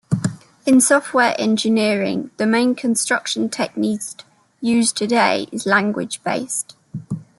In software engineering the main construction technique used today is language-based.